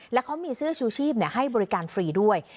แล้วเขามีเสื้อชูชีพให้บริการฟรีด้วย